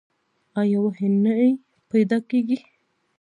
یا وحي نه نۀ پېدا کيږي